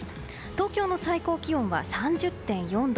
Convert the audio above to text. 東京の最高気温は３０．４度。